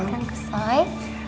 terima kasih shay